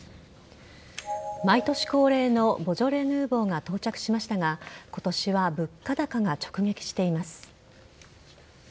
毎年恒例のボジョレ・ヌーボーが到着しましたが今年は物価高が直撃しています。